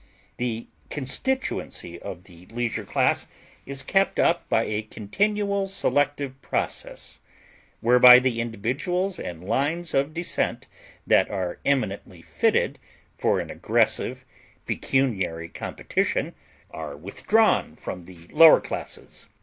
The constituency of the leisure class is kept up by a continual selective process, whereby the individuals and lines of descent that are eminently fitted for an aggressive pecuniary competition are withdrawn from the lower classes.